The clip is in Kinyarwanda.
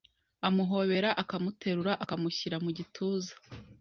amuhobera akamuterura akamushyira mu gituza,